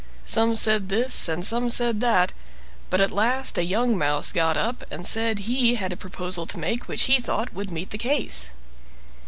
Some said this, and some said that; but at last a young mouse got up and said he had a proposal to make, which he thought would meet the case.